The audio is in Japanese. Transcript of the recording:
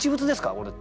これって。